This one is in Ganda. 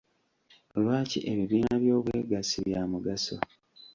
Lwaki ebibiina eby'obwegasi bya mugaso?